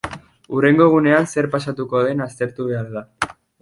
Hurrengo egunean zer pasako den aztertu behar da.